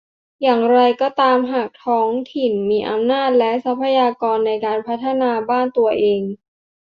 อย่างไรก็ตามหากท้องถิ่นมีอำนาจ และ ทรัพยากรในการพัฒนาบ้านตัวเอง